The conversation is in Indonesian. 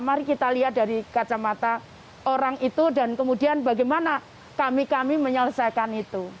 mari kita lihat dari kacamata orang itu dan kemudian bagaimana kami kami menyelesaikan itu